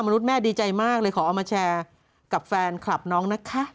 แม่ดีใจมากเลยขอเอามาแชร์กับแฟนคลับน้องนะคะ